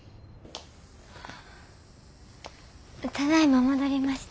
ただいま戻りました。